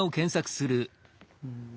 うん。